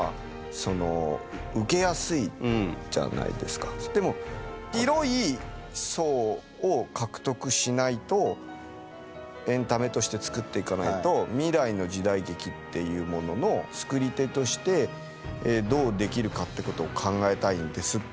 これはねでも広い層を獲得しないとエンタメとして作っていかないと未来の時代劇っていうものの作り手としてどうできるかってことを考えたいんです。